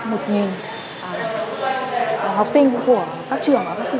của các trường ở các khu vực lân cận này